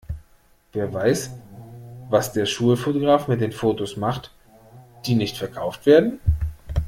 Wer weiß, was der Schulfotograf mit den Fotos macht, die nicht gekauft werden?